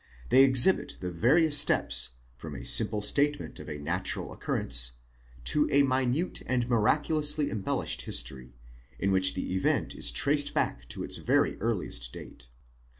They exhibit the various steps, from a simple statement of a natural occur rence, to a minute and miraculously embellished history, in which the event is traced back to its very earliest date.